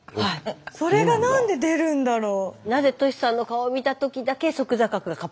それがなんで出るんだろう？